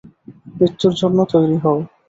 মৃত্যুর জন্য তৈরী হও।